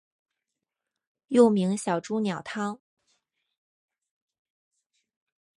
又名小朱鸟汤。